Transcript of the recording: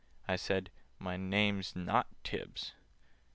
I said "My name's not Tibbs."